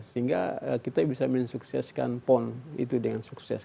sehingga kita bisa mensukseskan pon itu dengan sukses